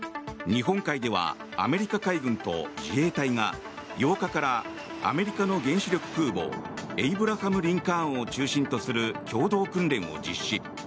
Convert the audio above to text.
日本海ではアメリカ海軍と自衛隊が８日からアメリカの原子力空母「エイブラハム・リンカーン」を中心とする共同訓練を実施。